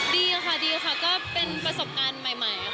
ดีค่ะดีค่ะก็เป็นประสบการณ์ใหม่ค่ะ